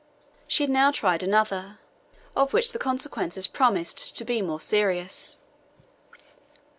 She had now tried another, of which the consequences promised to be more serious.